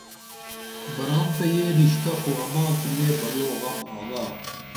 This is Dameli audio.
بران تہ یہ رشتہ خو اماں کی لے بلوغم آگا